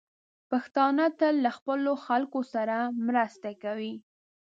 پښتانه تل له خپلو خلکو سره مرسته کوي.